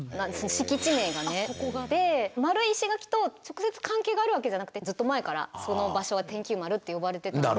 敷地名がね。で丸い石垣と直接関係があるわけじゃなくてずっと前からその場所は天球丸って呼ばれてたんで。